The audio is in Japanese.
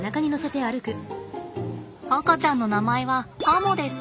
赤ちゃんの名前はアモです。